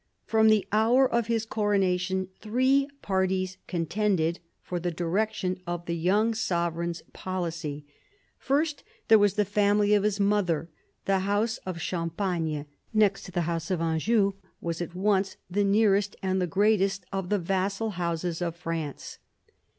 From the hour of his coronation three parties contended for the direction of the young sovereign's policy. First there was the family of his mother. The house of Champagne, next to the house of Anjou, was at once the nearest and the greatest of the vassal houses of France.